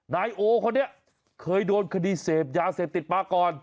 นายโอ้เขาเนี่ยเคยโดนคดีเศษยาเสพติดมาก่อน